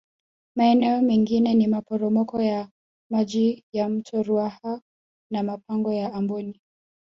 Maeneo mengine ni maporomoko ya Maji ya Mto Ruaha na Mapango ya Amboni